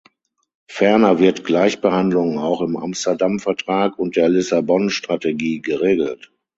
Ferner wird Gleichbehandlung auch im Amsterdam-Vertrag und der Lissabon-Strategie geregelt.